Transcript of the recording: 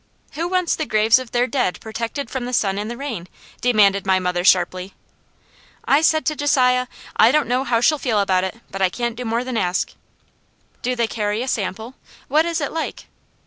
"Who wants the graves of their dead protected from the sun and the rain?" demanded my mother sharply. "I said to Josiah, 'I don't know how she'll feel about it, but I can't do more than ask.'" "Do they carry a sample? What is it like?"